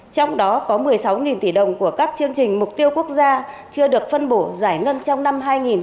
trong đó có một mươi sáu tỷ đồng của các chương trình mục tiêu quốc gia chưa được phân bổ giải ngân trong năm hai nghìn hai mươi